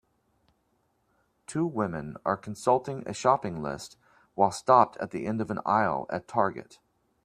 Two women are consulting a shopping list while stopped at the end of an aisle at Target.